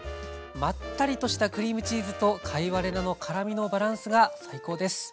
まったりとしたクリームチーズと貝割れ菜の辛みのバランスが最高です。